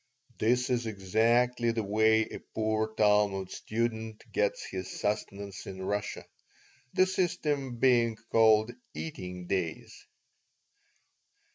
This is exactly the way a poor Talmud student gets his sustenance in Russia, the system being called "eating days."